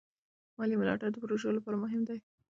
مالي ملاتړ د پروژو لپاره مهم دی.